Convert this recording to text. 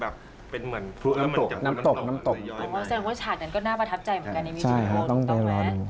วันบนปองใดใด